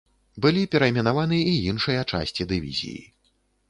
Былі перайменаваны і іншыя часці дывізіі.